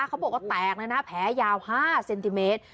เขาบอกว่าแตกเลยนะแผลยาว๕เซนติเมตร